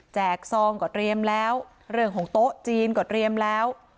ซองก็เตรียมแล้วเรื่องของโต๊ะจีนก็เตรียมแล้ว